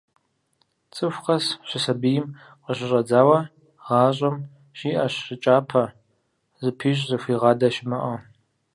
Цӏыху къэс, щысабийм къыщыщӏэдзауэ, гъащӏэм щиӏэщ щӏы кӏапэ, зыпищӏ, зыхуигъадэ щымыӏэу.